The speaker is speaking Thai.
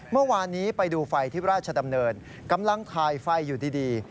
เมื่อวานนี้ไปดูไฟที่ราชดำเนินกำลังถ่ายไฟอยู่ดี